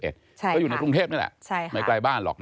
ก็อยู่ในกรุงเทพนี่แหละไม่ไกลบ้านหรอก